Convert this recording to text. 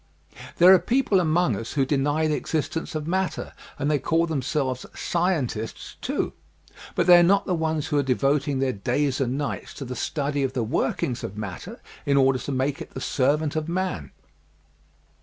There are people among us who deny the existence of matter and they call themselves " Scientists," too, but they are not the ones who are devoting their days and nights to the study of the workings of matter in order to make it the servant of man.